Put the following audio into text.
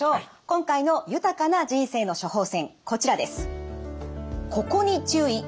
今回の豊かな人生の処方せんこちらです。